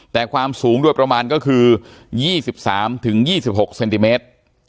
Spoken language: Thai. แต่ความสูงโดยประมาณก็คือ๒๓๒๖เซนติเมตร